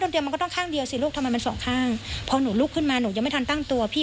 โรงเรียนบางโลกดูกับแบบนี้